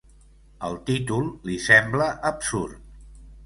El títol li sembla absurd.